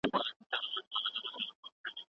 شپې مي د ځوانۍ د لېونتوب ورباندي ستړي کړې